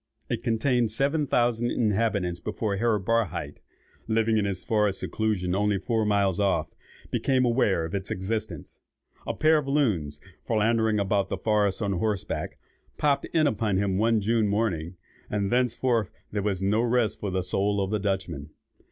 It contained seven thousand inhabitants before Herr Barhydt, living in his forest seclusion only four miles off, became aware of its existence. A pair of loons, philandering about the forest on horseback, popped in upon him one June morning, and thenceforth there was no rest for the soul of the Dutchman.